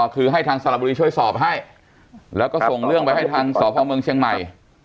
คือให้ทางสระบุรีช่วยสอบให้แล้วก็ส่งเรื่องไปให้ทางสพเมืองเชียงใหม่